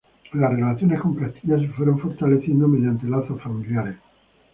Las relaciones con Castilla se fueron fortaleciendo mediante lazos familiares.